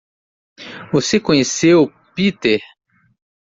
Você conheceu Peter?